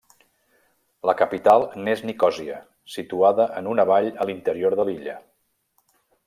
La capital n'és Nicòsia, situada en una vall a l'interior de l'illa.